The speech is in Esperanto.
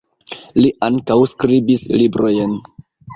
Li ankaŭ skribis librojn.